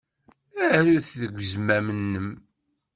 Aru-t deg uzmam-nnem.